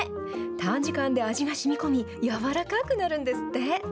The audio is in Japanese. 短時間で味がしみこみ、やわらかくなるんですって。